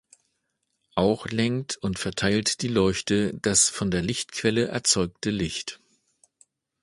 Auch lenkt und verteilt die Leuchte das von der Lichtquelle erzeugte Licht.